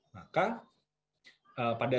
maka pada saat kita beristirahat